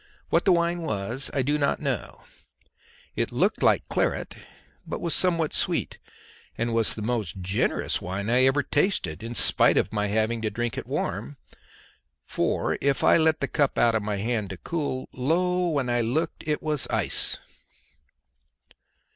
What the wine was I do not know; it looked like claret but was somewhat sweet, and was the most generous wine I ever tasted, spite of my having to drink it warm, for if I let the cup out of my hand to cool, lo! when I looked it was ice!